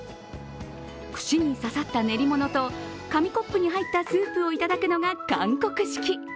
串に刺さった練り物と紙コップに入ったスープをいただくのが韓国式。